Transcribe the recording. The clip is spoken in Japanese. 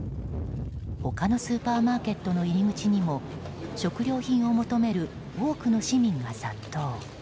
他のスーパーマーケットの入り口にも食料品を求める多くの市民が殺到。